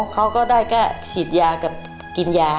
เขาก็ได้ชิดยากับกินยา